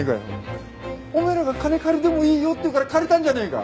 お前らが金借りてもいいよっていうから借りたんじゃねえか。